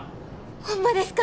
ホンマですか！？